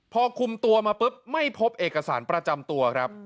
พอคุมตัวมาปุ๊บไม่พบเอกสารประจำตัวครับ